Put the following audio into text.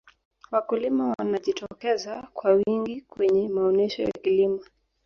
walikulima wanajitokeza kwa wingi kwenye maonesho ya kilimo